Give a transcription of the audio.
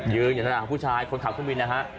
อยู่อยู่ในหน้าของผู้ชายคนขับผู้บินนะฮะ